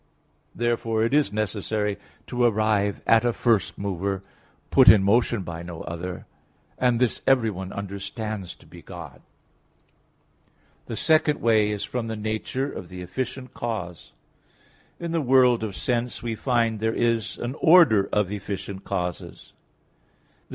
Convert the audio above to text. Therefore it is necessary to arrive at a first mover, put in motion by no other; and this everyone understands to be God. The second way is from the nature of the efficient cause. In the world of sense we find there is an order of efficient causes.